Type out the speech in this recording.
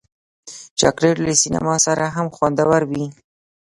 چاکلېټ له سینما سره هم خوندور وي.